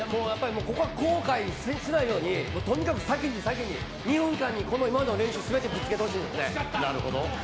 ここは後悔しないように、とにかく先に先に、２分間に今までの練習全てをぶつけてほしいですね。